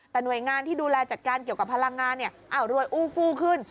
แต่หน่วยงานที่ดูแลจัดการเกี่ยวกับพลังงานรวยอู้กู้ขึ้น